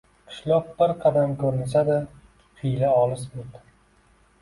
Qishloq bir qadam ko‘rinsa-da, xiyla olis bo‘ldi.